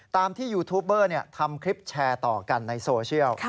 ตามที่ยูทูปเบอร์ทำคลิปแชร์ต่อกันในโซเชียล